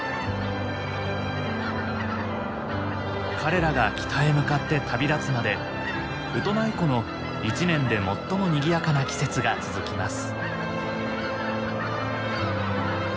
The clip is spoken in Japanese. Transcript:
彼らが北へ向かって旅立つまでウトナイ湖の一年で最もにぎやかな季節が続きます。